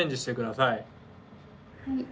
はい。